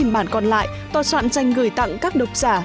bốn bản còn lại toàn soạn danh gửi tặng các độc giả